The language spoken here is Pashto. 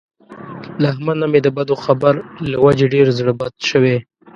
له احمد نه مې د بدو خبر له وجې ډېر زړه بد شوی.